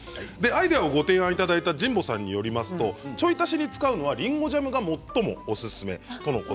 アイデアをご提案いただいた神保さんによりますとちょい足しに使うのはりんごジャムが最もオススメとのことです。